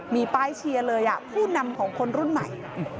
มีป้ายเชียร์เลยผู้นำของคนรุ่นใหม่